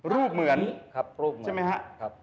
รูปเหมือนใช่มั้ยฮะ